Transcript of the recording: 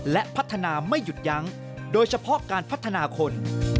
และพัฒนาไม่หยุดยั้งโดยเฉพาะการพัฒนาคน